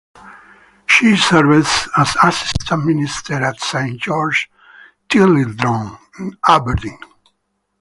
She served as assistant minister at Saint George's Tillydrone, in Aberdeen.